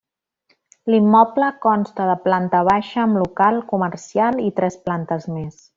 L'immoble consta de planta baixa amb local comercial i tres plantes més.